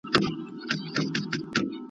که ژړل دي په سرو سترګو نو یوازي وایه ساندي ..